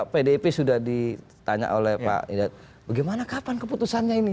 pdip sudah ditanya oleh pak hidayat bagaimana kapan keputusannya ini